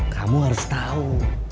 kamu harus tahu